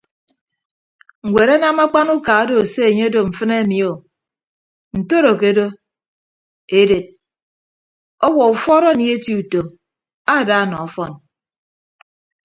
Ñwed anam akpan uka odo se anye odo mfịn ami o ntodo ke odo edet ọwuọ ufuọd anie eti utom ada nọ ọfọn.